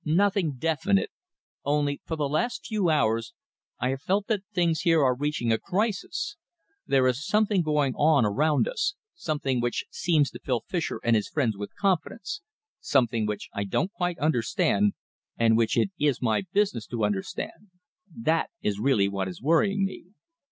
"Nothing definite, only for the last few hours I have felt that things here are reaching a crisis. There is something going on around us, something which seems to fill Fischer and his friends with confidence, something which I don't quite understand, and which it is my business to understand. That is really what is worrying me."